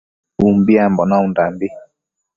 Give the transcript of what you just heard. Umbiambo naundambi